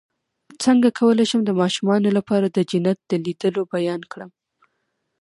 څنګه کولی شم د ماشومانو لپاره د جنت د لیدلو بیان کړم